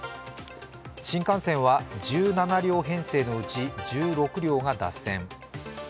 新幹線は１７両編成のうち１６両が脱線。